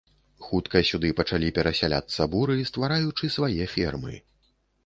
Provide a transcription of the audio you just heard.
Хутка сюды пачалі перасяляцца буры, ствараючы свае фермы.